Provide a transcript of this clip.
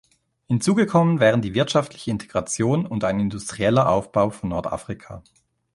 Hinzugekommen wären die wirtschaftliche Integration und ein industrieller Aufbau von Nordafrika.